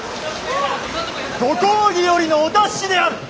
ご公儀よりのお達しである！